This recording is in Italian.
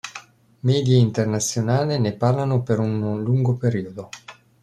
Media internazionali ne parlano per uno lungo periodo.